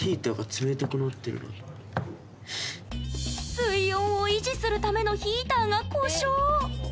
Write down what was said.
水温を維持するためのヒーターが故障。